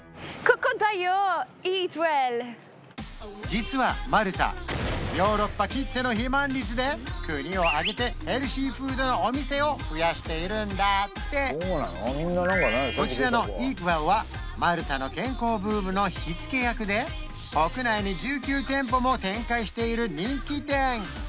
実はマルタヨーロッパきっての肥満率で国を挙げてヘルシーフードのお店を増やしているんだってこちらのイートウェルはマルタの健康ブームの火付け役で国内に１９店舗も展開している人気店